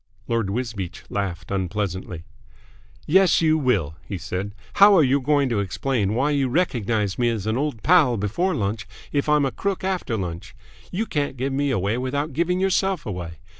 Lord Wisbeach laughed unpleasantly. "Yes, you will," he said. "How are you going to explain why you recognised me as an old pal before lunch if I'm a crook after lunch. You can't give me away without giving yourself away.